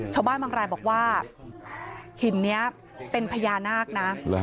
ชาวบ้านบางรายบอกว่าหินนี้เป็นพญานาคนะ